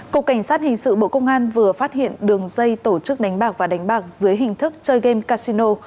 cục cảnh sát hình sự bộ công an vừa phát hiện đường dây tổ chức đánh bạc và đánh bạc dưới hình thức chơi game casino